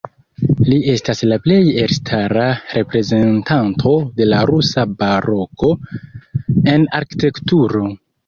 Li estas la plej elstara reprezentanto de la rusa baroko en arkitekturo.